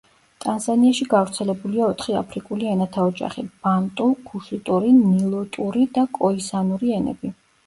ტანზანიაში გავრცელებულია ოთხი აფრიკული ენათა ოჯახი: ბანტუ, ქუშიტური, ნილოტური და კოისანური ენები.